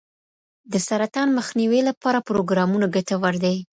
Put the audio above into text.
د سرطان مخنیوي لپاره پروګرامونه ګټور دي.